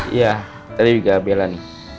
iya tadi juga bella nih